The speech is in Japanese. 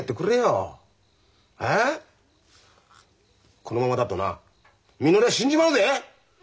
このままだとなみのりは死んじまうぜ！？